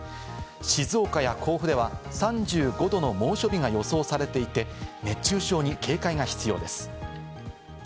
静岡や甲府では３５℃の猛暑日が予想されていて、熱中症に警戒が必要です。